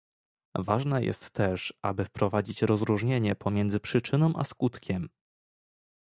Ważne jest też, aby wprowadzić rozróżnienie pomiędzy przyczyną a skutkiem